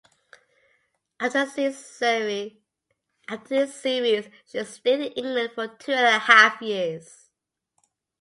After this series, she stayed in England for two and a half years.